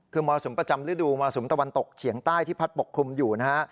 คือมรสุมประจำฤดูมรสุมตะวันตกเฉียงใต้ที่พัดปกคลุมอยู่นะฮะ